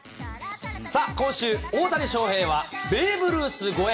さあ、今週、大谷翔平は、ベーブ・ルース超え。